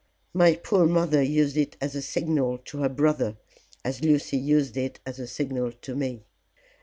My poor mother used it as a signal to her brother, as Lucy used it as a signal to me.